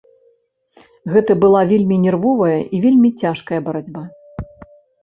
Гэта была вельмі нервовая і вельмі цяжкая барацьба.